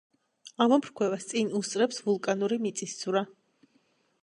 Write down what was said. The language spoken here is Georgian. ამოფრქვევას წინ უსწრებს ვულკანური მიწისძვრა.